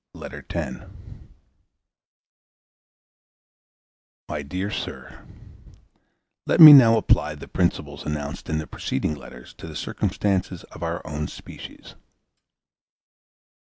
LETTER X My dear Sir, Let me now apply the principles announced in the preceding letters to the circumstances of our own species.